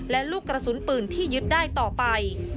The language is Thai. และลูกกระสุนปืนที่ยึดได้ต่อไป